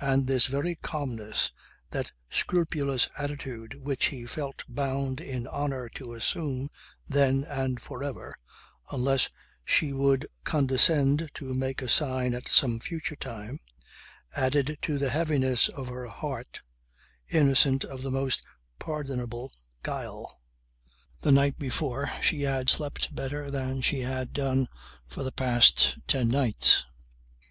And this very calmness, that scrupulous attitude which he felt bound in honour to assume then and for ever, unless she would condescend to make a sign at some future time, added to the heaviness of her heart innocent of the most pardonable guile. The night before she had slept better than she had done for the past ten nights.